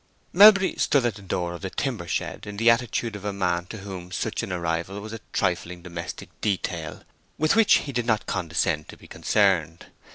Melbury stood at the door of the timber shed in the attitude of a man to whom such an arrival was a trifling domestic detail with which he did not condescend to be concerned.